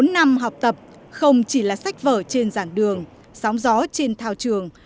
bốn năm học tập không chỉ là sách vở trên dạng đường sóng gió trên thao trường